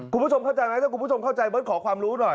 คุณผู้ชมเข้าใจไหมถ้าคุณผู้ชมเข้าใจเบิร์ตขอความรู้หน่อย